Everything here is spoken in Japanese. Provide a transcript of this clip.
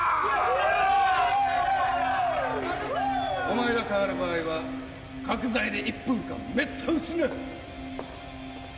お前が代わる場合は角材で１分間めった打ちな。